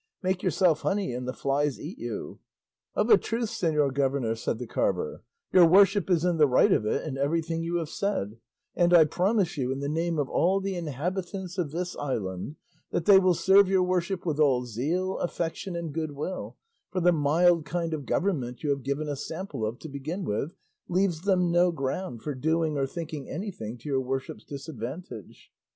make yourself honey and the flies eat you." "Of a truth, señor governor," said the carver, "your worship is in the right of it in everything you have said; and I promise you in the name of all the inhabitants of this island that they will serve your worship with all zeal, affection, and good will, for the mild kind of government you have given a sample of to begin with, leaves them no ground for doing or thinking anything to your worship's disadvantage."